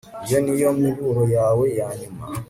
Iyi niyo miburo yawe yanyuma